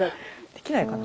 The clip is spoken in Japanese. できないかな？